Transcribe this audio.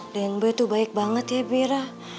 den boy tuh baik banget ya bira